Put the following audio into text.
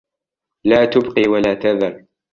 لَا تُبْقِي وَلَا تَذَرُ